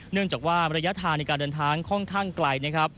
เนื่องจากว่าระยะทางในการเดินทางค่อนข้างไกลนะครับ